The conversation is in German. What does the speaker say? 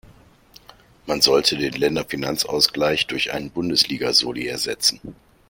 Man sollte den Länderfinanzausgleich durch einen Bundesliga-Soli ersetzen.